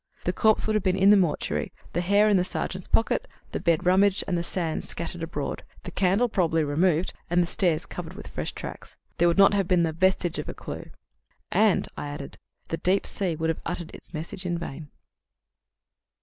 The corpse would have been in the mortuary, the hair in the sergeant's pocket, the bed rummaged and the sand scattered abroad, the candle probably removed, and the stairs covered with fresh tracks. "There would not have been the vestige of a clue." "And," I added, "the deep sea would have uttered its message in vain."